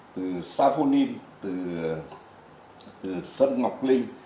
từ saphonin từ sơn ngọc linh